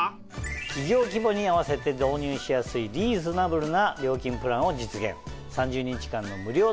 企業規模に合わせて導入しやすいリーズナブルな料金プランを実現。